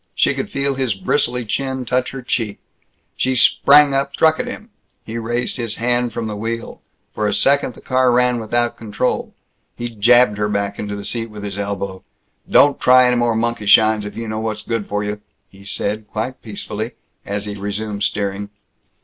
She could feel his bristly chin touch her cheek. She sprang up, struck at him. He raised his hand from the wheel. For a second the car ran without control. He jabbed her back into the seat with his elbow. "Don't try any more monkey shines, if you know what's good for you," he said, quite peacefully, as he resumed steering.